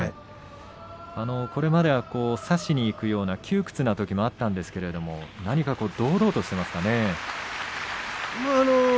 これまでは差しにいくような、窮屈なときもあったんですけれど何か堂々としていますね。